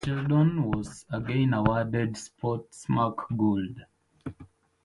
Sheldon was again awarded Sportsmark Gold.